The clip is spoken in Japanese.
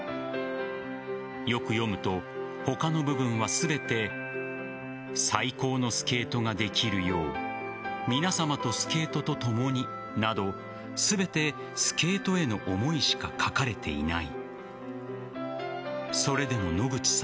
よく読むと、他の部分は全て最高のスケートができるよう皆さまとスケートとともになど全てスケートへの思いしか書かれていない。